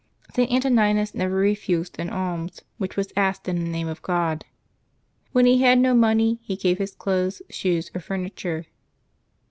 St. Antoninus never refused an alms which was asked in the name of God. When he had no mone}^, he gave his clothes, shoes, or furniture.